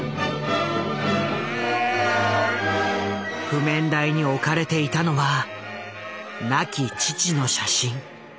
譜面台に置かれていたのは亡き父の写真。